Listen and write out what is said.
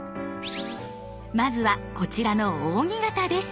まずはこちらの扇形です！